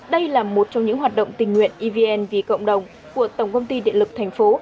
đây là một trong những hoạt động tình nguyện evn vì cộng đồng của tổng công ty điện lực thành phố